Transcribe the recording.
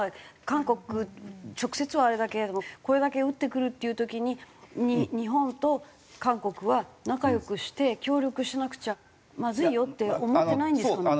韓国直接はあれだけれどもこれだけ撃ってくるっていう時に日本と韓国は仲良くして協力しなくちゃまずいよって思ってないんですかね？